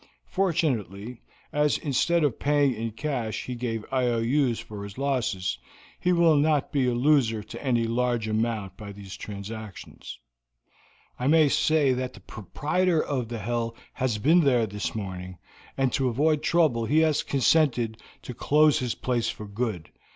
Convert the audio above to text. Fortunately, as instead of paying in cash he gave IOUs for his losses, he will not be a loser to any large amount by these transactions. I may say that the proprietor of the hell has been there this morning, and to avoid trouble he has consented to close his place for good.